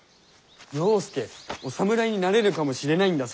了助お侍になれるかもしれないんだぞ！